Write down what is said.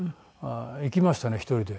行きましたね１人で。